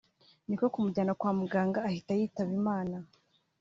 niko kumujyana kwa muganga ahita yitaba Imana”